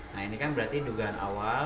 nah ini kan berarti dugaan awal